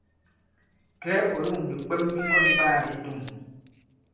Kɛ̌, ɔ̀ yȏŋ bìkwɛm bi ŋgɔ̑n ɓaā i tȗŋ.